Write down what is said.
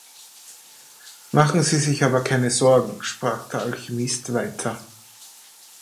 „Machen Sie sich aber keine Sorgen“, sprach der Alchemist weiter.